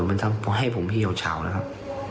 มันทำให้ผมเหี่ยวเฉานะครับ